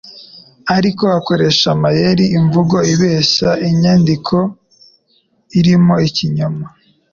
ariko akoresheje amayeri, imvugo ibeshya, inyandiko irimo ikinyoma,